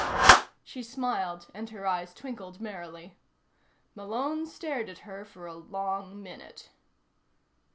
She smiled, and her eyes twinkled merrily. Malone stared at her for a long minute.